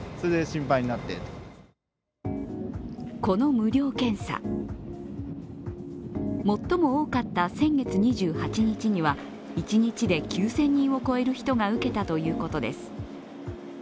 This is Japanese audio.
この無料検査、最も多かった先月２８日には一日で９０００人を超える人が受けたということです。